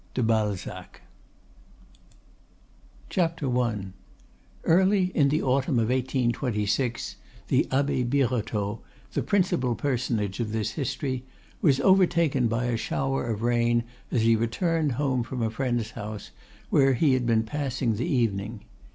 De Balzac. THE VICAR OF TOURS I Early in the autumn of 1826 the Abbe Birotteau, the principal personage of this history, was overtaken by a shower of rain as he returned home from a friend's house, where he had been passing the evening.